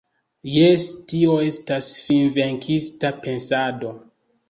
Jes, tio estas finvenkista pensado.